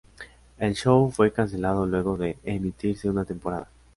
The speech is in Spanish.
El show fue cancelado luego de emitirse una temporada.